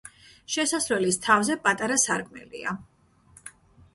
შესასვლელის თავზე პატარა სარკმელია.